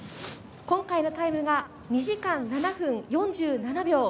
今回のタイムは２時間７分４７秒。